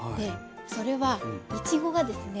それはいちごがですね